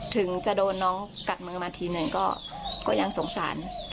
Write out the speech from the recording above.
ถึงจะโดนน้องกัดมือมาทีหนึ่งก็ยังสงสาร